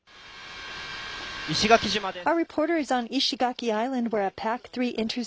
石垣島です。